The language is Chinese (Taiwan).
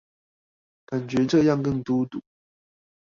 感覺這樣更孤獨